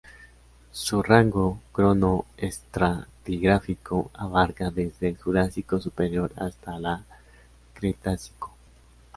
Su rango cronoestratigráfico abarca desde el Jurásico superior hasta la Cretácico.